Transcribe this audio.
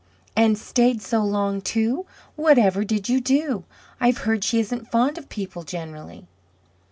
"And stayed so long, too? Whatever did you do? I've heard she isn't fond of people generally."